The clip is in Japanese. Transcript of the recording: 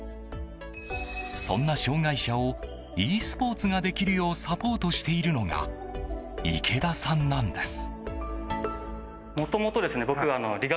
そんな障害者をｅスポーツができるようサポートしているのが池田さんなんです。